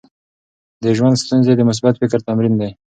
د ژوند ستونزې د مثبت فکر تمرین کوي.